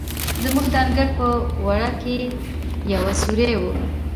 زموږ د انګړ په وره کې یو سورى و.